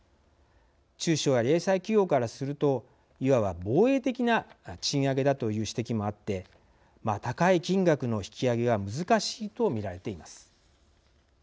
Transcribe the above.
中小や零細企業からするといわば防衛的な賃上げだという指摘もあって高い金額の引き上げは難しいと見られています。